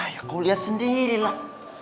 ya kau lihat sendirilah